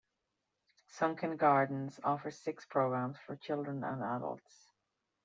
Sunken Gardens offers six programs for children and adults.